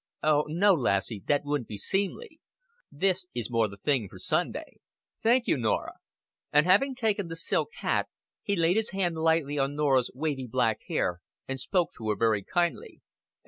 "Oh, no, lassie, that wouldn't be seemly. This is more the thing for Sunday. Thank you, Norah." And having taken the silk hat, he laid his hand lightly on Norah's wavy black hair, and spoke to her very kindly.